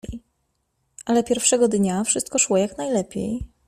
Ale pierwszego dnia wszystko szło jak najlepiej.